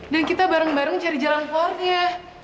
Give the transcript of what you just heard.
dan kita bareng bareng cari jalan keluarga